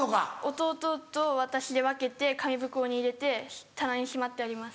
弟と私で分けて紙袋に入れて棚にしまってあります。